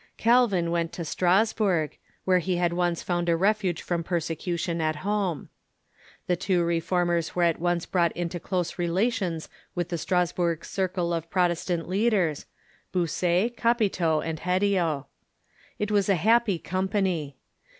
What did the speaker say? Calvin went to Strasburg, where he had once found a refuge from persecution at home. The two Reformers were at once brought into close relations with the Strasburg cir cle of Protestant leaders — Bucer, Capito, and Hedio. It was a happy company.